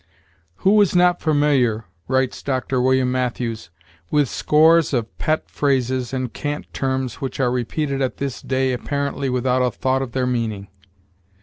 "Who is not familiar," writes Dr. William Matthews, "with scores of pet phrases and cant terms which are repeated at this day apparently without a thought of their meaning?